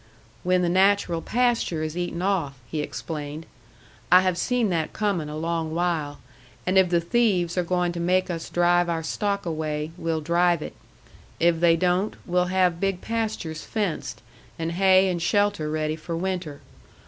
"When the natural pasture is eaten off," he explained. "I have seen that coming a long while. And if the thieves are going to make us drive our stock away, we'll drive it. If they don't, we'll have big pastures fenced, and hay and shelter ready for winter.